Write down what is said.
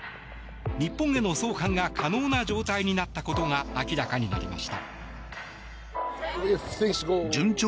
日本への送還が可能な状態になったことが明らかになりました。